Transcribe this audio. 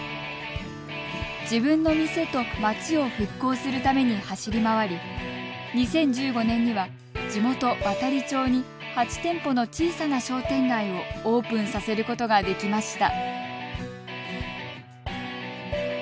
自分の店と町を復興するために走り回り２０１５年には、地元、亘理町に８店舗の小さな商店街をオープンさせることができました。